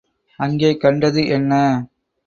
அங்கே கண்டது என்ன?